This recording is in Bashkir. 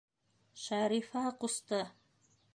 Шарифа ҡусты!